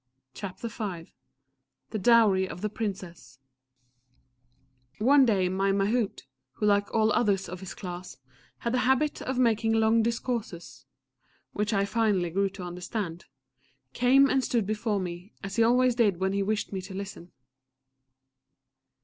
CHAPTER V THE DOWRY OF THE PRINCESS One day my Mahout, who like all others of his class, had the habit of making long discourses (which I finally grew to understand), came and stood before me, as he always did when he wished me to listen.